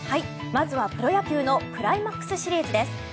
まずはプロ野球のクライマックスシリーズです。